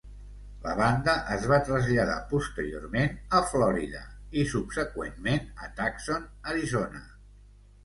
La banda es va traslladar posteriorment a Florida, i subseqüentment, a Tucson, Arizona.